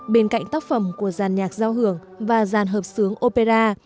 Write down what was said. bên cạnh tác phẩm của giàn nhạc giao hưởng và dàn hợp sướng opera